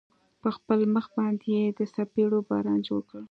په خپل مخ باندې يې د څپېړو باران جوړ كړ.